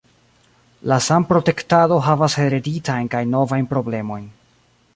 La sanprotektado havas hereditajn kaj novajn problemojn.